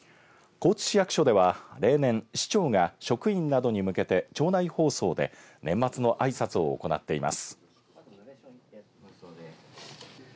高知市役所では、例年市長が職員などに向けて庁内放送で年末のあいさつを行っています。